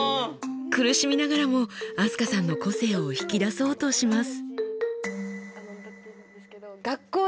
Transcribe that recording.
苦しみながらも飛鳥さんの個性を引き出そうとします。